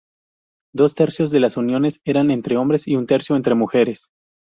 Dos tercios de las uniones eran entre hombres y un tercio entre mujeres.